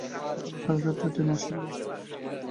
সকাল সাড়ে সাতটায় ট্রেন আসিল।